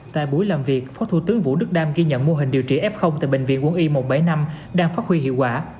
tại buổi làm việc phó thủ tướng vũ đức đam ghi nhận mô hình điều trị f tại bệnh viện quân y một trăm bảy mươi năm đang phát huy hiệu quả